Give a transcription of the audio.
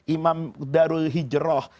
imam darul hijroh